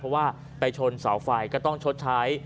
เพราะว่าไปชนเสาไฟก็ต้องชดใช้